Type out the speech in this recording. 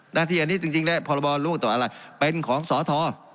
หน้าที่อันนี้จริงจริงแหละพรบรรณร่วมกับต่ออาหารเป็นของสอทอ